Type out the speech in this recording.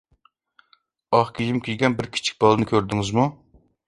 ئاق كىيىم كىيگەن بىر كىچىك بالىنى كۆردىڭىزمۇ؟